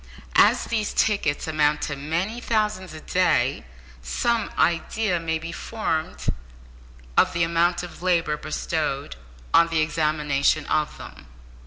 As these tickets amount to many thousands a day, some idea may be formed of the amount of labour bestowed on the examination of them.